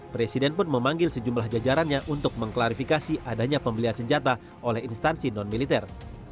presiden pun memanggil sejumlah jajarannya untuk mengklarifikasi adanya pembelian senjata oleh instansi non militer